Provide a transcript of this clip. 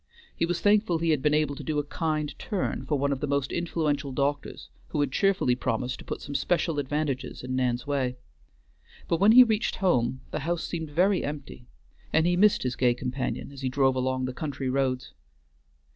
He was thankful he had been able to do a kind turn for one of the most influential doctors, who had cheerfully promised to put some special advantages in Nan's way; but when he reached home the house seemed very empty, and he missed his gay companion as he drove along the country roads.